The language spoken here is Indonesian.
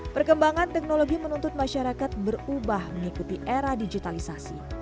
perkembangan teknologi menuntut masyarakat berubah mengikuti era digitalisasi